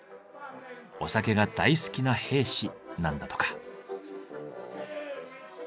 お酒が大好きな兵士なんだとか。